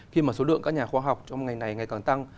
khi mà số lượng các nhà khoa học trong ngành này ngày càng tăng